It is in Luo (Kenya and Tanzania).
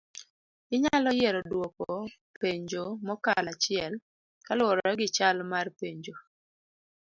Inyalo yiero duoko penjo mokalo achiel kaluore gichal mar penjo